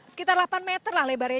sekitar delapan meter lah lebarnya